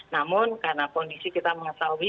namun karena kondisi kita mengetahui